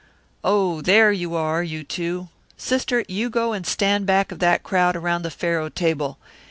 "Oh, there you are, you two. Sister, you go and stand back of that crowd around the faro table.